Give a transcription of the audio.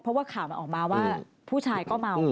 เพราะว่าข่าวมันออกมาว่าผู้ชายก็เมา